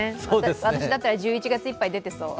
私だったら１１月いっぱい出てそう。